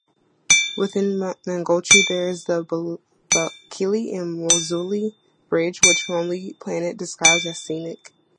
Within Mangochi there is the Bakili Muluzi Bridge, which Lonely Planet described as "scenic".